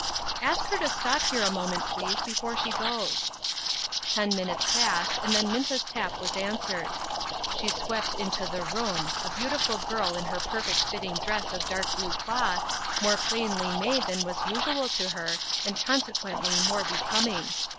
" Ask her to step here a moment, please, before she goes." Ten minutes passed, and then Minta's tap was answered. She swept into the room — a beau tiful girl in her perfect fitting dress of dark blue cloth, more plainly made than was usual to her, and consequently more becoming.